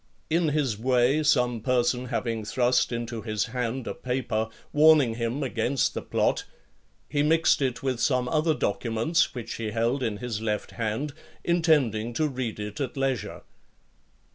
In his way, some person having thrust into his hand a paper, warning him against the plot, he mixed it with some other documents which he held in his left hand, intending to read it at leisure.